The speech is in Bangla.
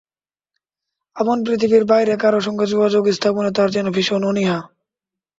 আপন পৃথিবীর বাইরে কারও সঙ্গে যোগাযোগ স্থাপনে তাঁর যেন ভীষণ অনীহা।